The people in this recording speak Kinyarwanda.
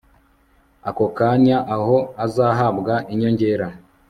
ako kanya aho azahabwa inyongera